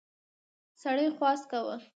سړي خواست کاوه.